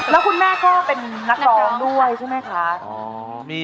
แล้วคุณแม่ก็เป็นนักร้องด้วยใช่ไหมคะ